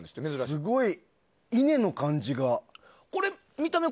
すごい稲の感じ。